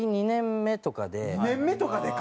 ２年目とかでか。